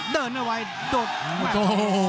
เดินให้ไวดดโอ้โหโหโห